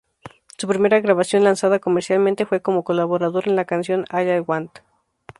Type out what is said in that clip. Su primera grabación lanzada comercialmente fue como colaborador en la canción "All I Want".